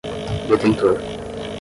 detentor